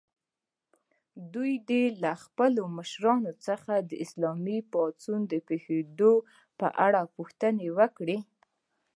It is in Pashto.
دوی دې له خپلو مشرانو څخه د اسلامي پاڅون پېښېدو په اړه پوښتنې وکړي.